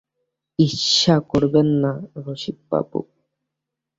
ঈর্ষা করবেন না রসিকবাবু!